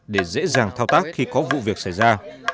để dễ dàng thao tác khi có vụ việc xảy ra